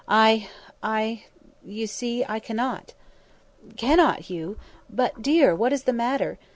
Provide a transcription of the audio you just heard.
"I I you see, I cannot." "Cannot, Hugh? But, my dear, what is the matter?